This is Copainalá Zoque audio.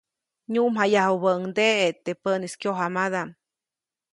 Nyuʼmjayadäjubäʼuŋdeʼe teʼ päʼnis kyojamadaʼm.